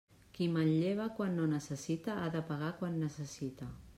Qui manlleva quan no necessita, ha de pagar quan necessita.